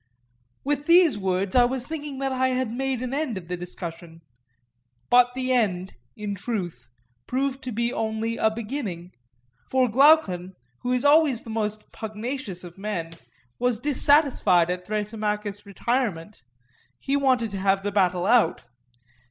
With these words I was thinking that I had made an end of the discussion; but the end, in truth, proved to be only a beginning. For Glaucon, who is always the most pugnacious of men, was dissatisfied at Thrasymachus' retirement; he wanted to have the battle out.